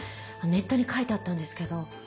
ネットに書いてあったんですけど。